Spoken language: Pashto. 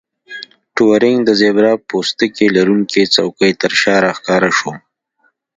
ټورینګ د زیبرا پوستکي لرونکې څوکۍ ترشا راښکاره شو